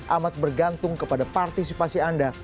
amat bergantung kepada partisipasi anda